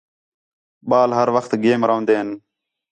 ٻال ہر وخت گیم رون٘دے ہین